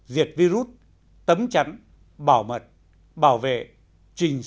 diệt virus tấm chắn bảo mật bảo vệ trình xử lý lỗi